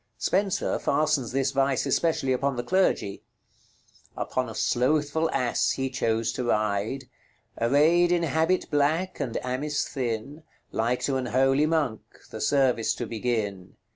Spenser fastens this vice especially upon the clergy, "Upon a slouthfull asse he chose to ryde, Arayd in habit blacke, and amis thin, Like to an holy monck, the service to begin.